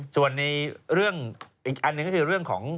ส่วนในเรื่องอีกอันหนึ่งก็คือเรื่องของ